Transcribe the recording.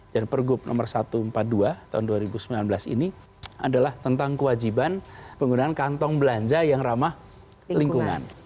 dan pergub nomor satu ratus empat puluh dua tahun dua ribu sembilan belas ini adalah tentang kewajiban penggunaan kantong belanja yang ramah lingkungan